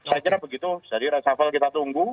saya kira begitu jadi resafel kita tunggu